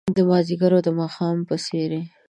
د مازدیګر او د ماښام په څیرې